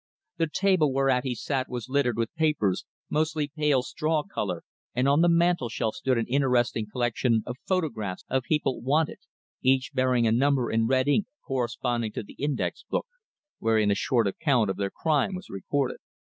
The table whereat he sat was littered with papers, mostly pale straw colour, and on the mantelshelf stood an interesting collection of photographs of people "wanted," each bearing a number in red ink corresponding to the index book, wherein a short account of their crime was recorded.